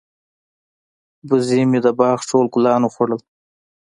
وزې مې د باغ ټول ګلان وخوړل.